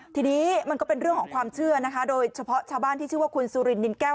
ทีนี้มันก็เป็นเรื่องของความเชื่อนะคะโดยเฉพาะชาวบ้านที่ชื่อว่าคุณสุรินนินแก้ว